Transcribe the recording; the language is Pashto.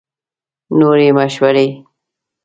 نورې مشورې